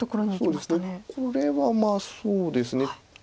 これはそうですね。